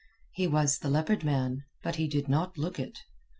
He was the Leopard Man, but he did not look it.